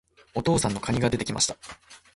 お父さんの蟹が出て来ました。